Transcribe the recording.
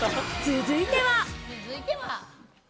続いては。